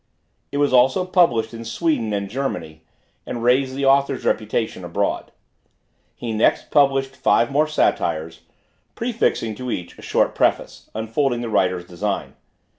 It was also published in Sweden and Germany, and raised the author's reputation abroad. He next published five more Satires, prefixing to each a short preface, unfolding the writer's design.